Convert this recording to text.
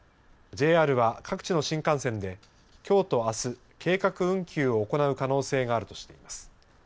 ＪＲは各地の新幹線できょうとあす計画運休を行う可能性があるとしています。